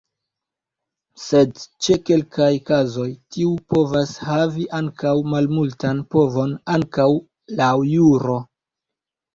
Sed ĉe kelkaj kazoj tiu povas havi ankaŭ malmultan povon ankaŭ laŭ juro.